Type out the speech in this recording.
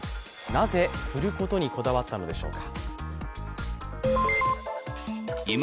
なぜ、振ることにこだわったのでしょうか？